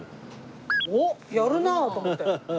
おっやるなあと思って。